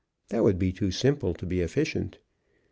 That would be too simple to be efficient.